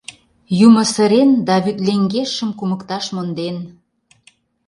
Юмо сырен да вӱд леҥежшым кумыкташ монден...